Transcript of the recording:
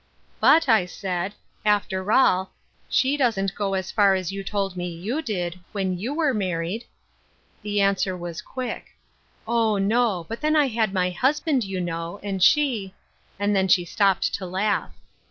" But," I said, " after all, she doesn't go as Duty's Burien. 273 far as you told me you did, when you were married." The answer was quick :" Oh, no ; but then I had my husband^ you know ; and she —" And then she stopped to laugh.